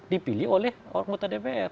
dipilih oleh orang orang dpr